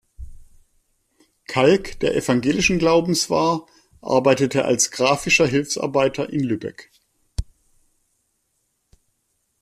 Kalk, der evangelischen Glaubens war, arbeitete als graphischer Hilfsarbeiter in Lübeck.